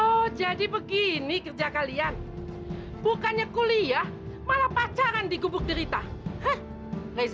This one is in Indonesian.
oh jadi begini kerja kalian bukannya kuliah malah pacaran digubuk derita reza